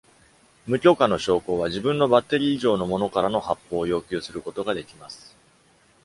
無許可の将校は、自分のバッテリー以上のものからの発砲を要求することができます。